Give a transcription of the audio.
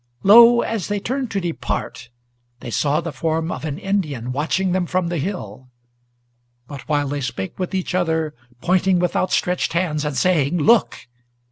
Lo! as they turned to depart, they saw the form of an Indian, Watching them from the hill; but while they spake with each other, Pointing with outstretched hands, and saying, "Look!"